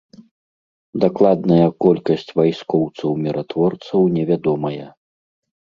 Дакладная колькасць вайскоўцаў-міратворцаў невядомая.